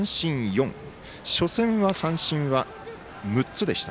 初戦は三振は６つでした。